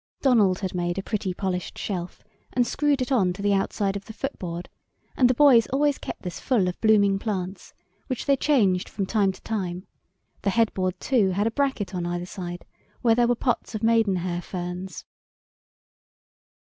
Donald had made a pretty, polished shelf and screwed it on to the outside of the footboard, and the boys always kept this full of blooming plants, which they changed from time to time; the head board, too, had a bracket on either side, where there were pots of maidenhair ferns.